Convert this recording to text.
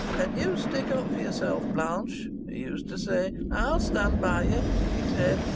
'And you stick up for yourself, Blanche,' he used to say. 'I'll stand by you,' he said.